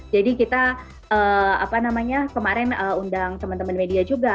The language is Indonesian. jadi kita kemarin undang teman teman media juga